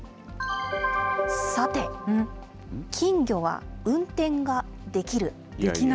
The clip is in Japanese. さて、金魚は運転ができる。